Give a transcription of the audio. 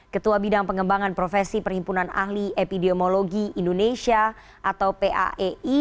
ketua bidang pengembangan profesi perhimpunan ahli epidemiologi indonesia atau paei